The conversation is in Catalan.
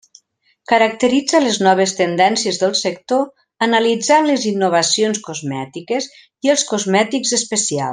Caracteritza les noves tendències del sector analitzant les innovacions cosmètiques i els cosmètics especials.